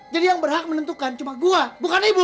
jadi yang berhak menentukan cuma gue bukan ibu